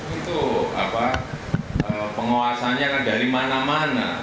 itu pengawasannya kan dari mana mana